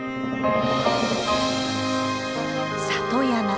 里山。